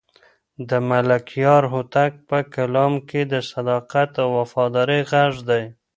د ملکیار هوتک په کلام کې د صداقت او وفادارۍ غږ دی.